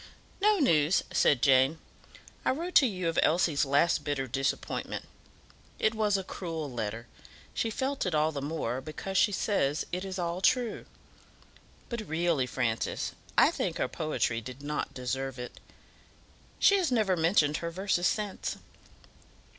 "No news," said Jane. "I wrote to you of Elsie's last bitter disappointment. It was a cruel letter; she felt it all the more, because she says it is all true. But, really, Francis, I think her poetry did not deserve it. She has never mentioned her verses since."